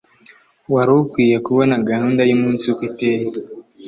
Wari ukwiye kubona gahunda y’umunsi uko iteye.